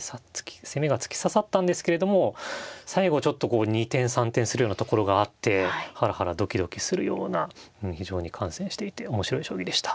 攻めが突き刺さったんですけれども最後ちょっとこう二転三転するようなところがあってハラハラドキドキするような非常に観戦していて面白い将棋でした。